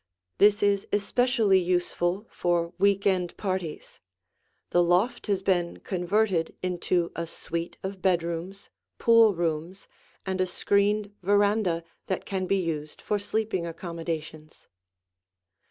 This is especially useful for week end parties. The loft has been converted into a suite of bedrooms, pool rooms, and a screened veranda that can be used for sleeping accommodations.